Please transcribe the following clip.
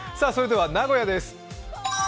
名古屋です。